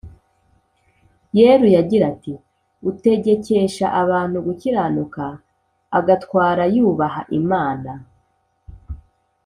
yeruye agira ati: “utegekesha abantu gukiranuka agatwara yubaha imana,